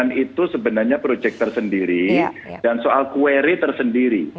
nah itu sebenarnya proyek tersendiri dan soal query tersendiri